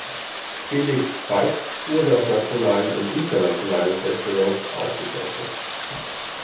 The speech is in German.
Feliks Falk wurde auf nationalen und internationalen Festivals ausgezeichnet.